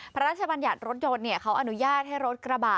พระราชบัญญัติรถยนต์เขาอนุญาตให้รถกระบะ